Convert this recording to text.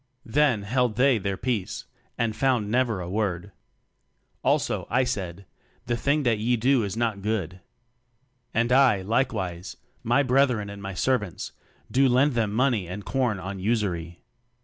"Then held they their peace, and found never a word. "Also I said, The thing that ye do is not good: "And I likewise, my brethren and my servants, do lend them money and corn on usury.